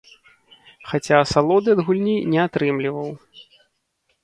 Хаця асалоды ад гульні не атрымліваў.